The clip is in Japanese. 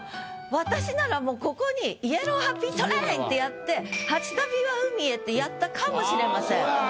私ならもうここに「イエローハッピートレイン」ってやって「初旅は海へ」ってやったかもしれません。